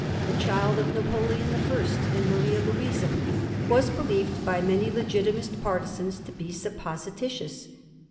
The child of Napoleon the First and Maria Louisa was believed by many Legitimist partisans to be supposititious.